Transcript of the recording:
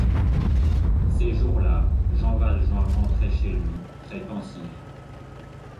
Ces jours-là, Jean Valjean rentrait chez lui très pensif.